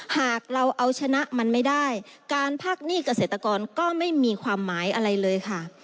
หากเราเอาชนะมันไม่ได้การพักหนี้เกษตรกรก็ไม่มีความหมายอะไรเลยค่ะ